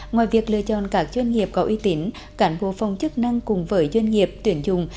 ngoài việc lựa chọn các doanh nghiệp có uy tín cảnh vô phòng chức năng cùng với doanh nghiệp tuyển dụng